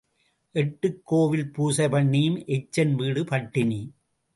எட்டுக் கோவில் பூசை பண்ணியும் எச்சன் வீடு பட்டினி.